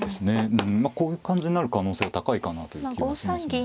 まあこういう感じになる可能性は高いかなという気はしますね。